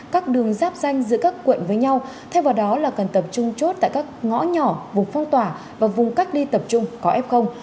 các đường giáp danh giữa các quận với nhau theo vào đó là cần tập trung chốt tại các ngõ nhỏ vùng phong tỏa và vùng cách đi tập trung có ép không